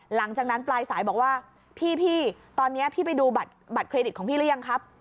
หลังจากนั้นปลายสายบอกว่าพี่ตอนนี้พี่ไปดูบัตรเครดิตของพี่หรือยังครับ